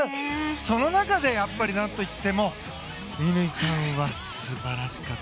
その中で、やっぱり何といっても乾さんは素晴らしかった。